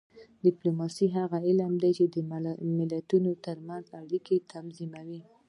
ډیپلوماسي هغه علم دی چې د ملتونو ترمنځ اړیکې تنظیموي